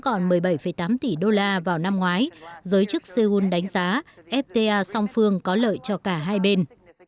còn một mươi bảy tám tỷ đô la vào năm ngoái giới chức seoul đánh giá fta song phương có lợi cho cả hai bên